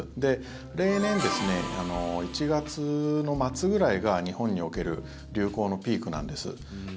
例年、１月の末ぐらいが日本における流行のピークなんです。